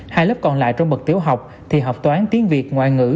hai lớp còn lại trong bậc tiểu học thì học toán tiếng việt ngoại ngữ